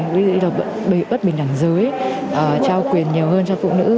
ví dụ như là bất bình đẳng giới trao quyền nhiều hơn cho phụ nữ